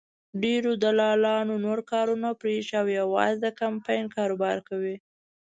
ډېرو دلالانو نور کارونه پرېښي او یوازې د کمپاین کاروبار کوي.